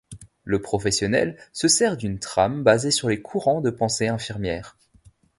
Le professionnel se sert d'une trame basée sur les courants de pensée infirmière.